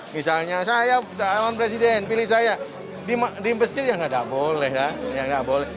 misalnya saya calon presiden pilih saya di masjid ya nggak boleh kan